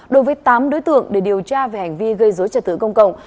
đối với tám đối tượng để điều tra về hành vi gây dối trật tự công cộng